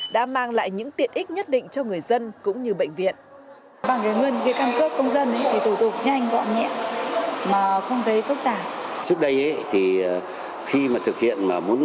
đã mang lại những tiện ích nhất định cho người dân cũng như bệnh viện